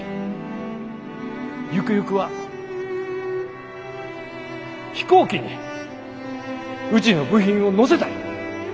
ゆくゆくは飛行機にうちの部品を載せたい。